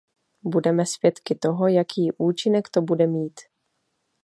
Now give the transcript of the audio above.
Budeme svědky toho, jaký účinek to bude mít.